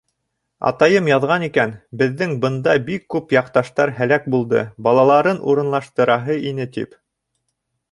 Атайым яҙған икән, беҙҙең бында бик күп яҡташтар һәләк булды, балаларын урынлаштыраһы ине, тип.